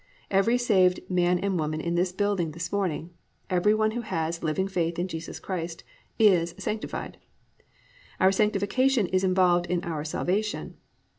Every saved man and woman in this building this morning, every one who has living faith in Jesus Christ, is sanctified. Our sanctification is involved in our salvation.